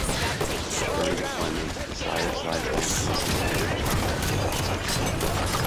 During deployment, the slider slides down from the canopy to just above the risers.